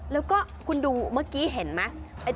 แล้วก็คุณดูเมื่อกี้เห็นไหม